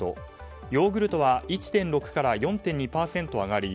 ヨーグルトは１．６から４．２％上がり